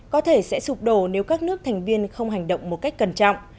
có thể sẽ sụp đổ nếu các nước thành viên không hành động một cách cẩn trọng